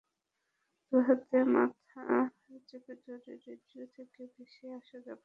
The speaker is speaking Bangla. দুহাতে মাথা চেপে ধরে রেডিও থেকে ভেসে আসা যাবতীয় কথা শোনেন।